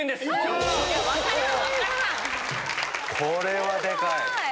これはでかい！